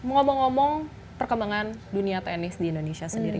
ngomong ngomong perkembangan dunia tenis di indonesia sendiri